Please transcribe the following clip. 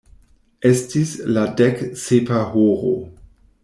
Estis la dek sepa horo.